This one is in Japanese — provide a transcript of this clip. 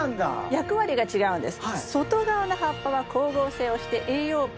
役割が違うんです。